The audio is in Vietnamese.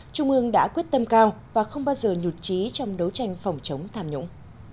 trung ương đã quyết tâm cao và không bao giờ nhụt trí trong đấu tranh phòng chống tham nhũng